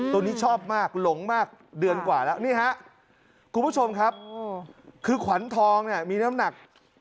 ตัวนี้ชอบมากหลงมากเดือนกว่าแล้วนี่ฮะคุณผู้ชมครับคือขวัญทองเนี่ยมีน้ำหนัก